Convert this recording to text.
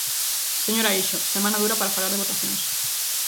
Señora Eixo, semana dura para falar de votacións.